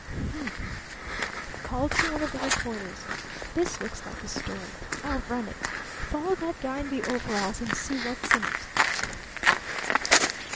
"Humph!" He called to one of the reporters. "This looks like a story. I'll run it. Follow that guy in the overalls and see what's in it."